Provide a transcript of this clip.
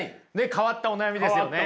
変わったお悩みですね。